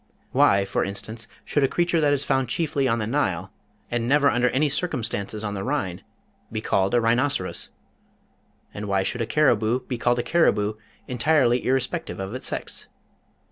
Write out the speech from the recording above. Why, for instance, should a creature that is found chiefly on the Nile, and never under any circumstances on the Rhine, be called a Rhinoceros? And why should a Caribou be called a Caribou entirely irrespective of its sex?